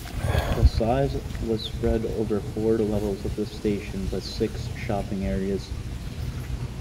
The size was spread over four levels of the station with six shopping areas.